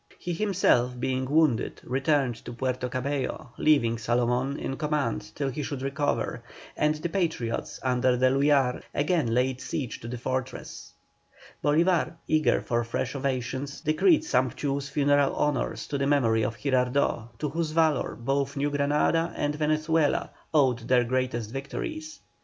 He himself being wounded returned to Puerto Cabello, leaving Salomón in command till he should recover, and the Patriots under D'Eluyar again laid siege to this fortress. Bolívar, eager for fresh ovations, decreed sumptuous funeral honours to the memory of Girardot, to whose valour both New Granada and Venezuela owed their greatest victories.